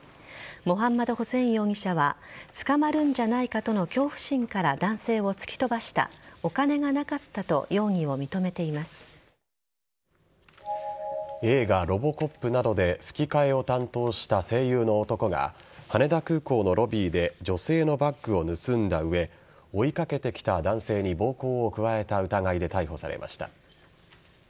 モハンマドホセイン容疑者は捕まるんじゃないかとの恐怖心から男性を突き飛ばしたお金がなかったと映画「ロボコップ」などで吹き替えを担当した声優の男が羽田空港のロビーで女性のバッグを盗んだ上追い掛けてきた男性に暴行を加えた疑いで逮捕されました。